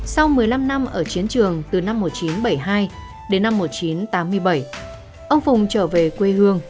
sau một mươi năm năm ở chiến trường từ năm một nghìn chín trăm bảy mươi hai đến năm một nghìn chín trăm tám mươi bảy ông phùng trở về quê hương